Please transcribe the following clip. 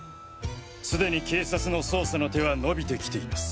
すでに警察の捜査の手はのびてきています。